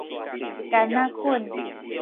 矸仔頸